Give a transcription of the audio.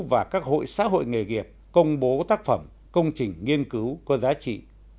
và các hội xã hội nghề nghiệp công bố tác phẩm công trình nghiên cứu có giá trị